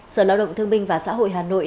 sở lao động thương binh và xã hội hà nội